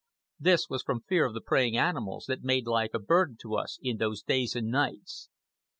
This was from fear of the preying animals that made life a burden to us in those days and nights.